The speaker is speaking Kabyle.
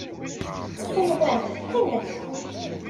Ttxil-wen, qqimet.